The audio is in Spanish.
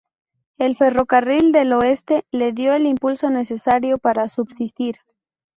El Ferrocarril del Oeste, le dio el impulso necesario para subsistir.